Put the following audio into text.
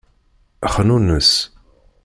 Xnunes.